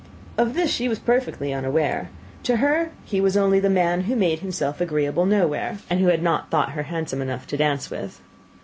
Of this she was perfectly unaware: to her he was only the man who made himself agreeable nowhere, and who had not thought her handsome enough to dance with.